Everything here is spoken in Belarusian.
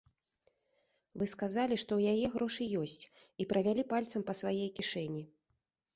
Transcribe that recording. Вы сказалі, што ў яе грошы ёсць, і правялі пальцам па сваёй кішэні.